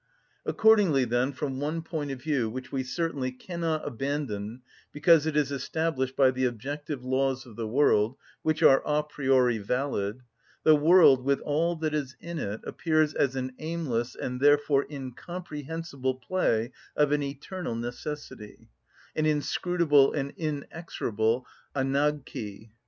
Accordingly then, from one point of view, which we certainly cannot abandon, because it is established by the objective laws of the world, which are a priori valid, the world, with all that is in it, appears as an aimless, and therefore incomprehensible, play of an eternal necessity, an inscrutable and inexorable Αναγκη.